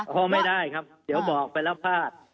พอไม่ได้ครับเดี๋ยวบอกไปแล้วพลาด